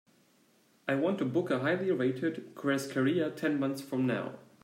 I want to book a highly rated churrascaria ten months from now.